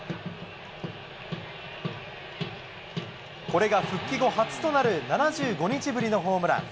これが復帰後初となる７５日ぶりのホームラン。